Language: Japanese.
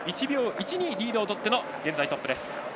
１秒１２リードを持っての現在トップです。